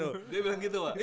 dia bilang gitu pak